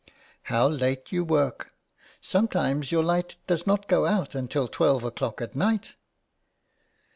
" How late you work ! Sometimes your light does not go out until twelve o'clock at night."